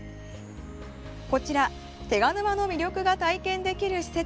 こちら、手賀沼の魅力が体験できる施設